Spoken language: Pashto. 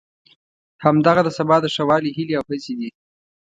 همدغه د سبا د ښه والي هیلې او هڅې دي.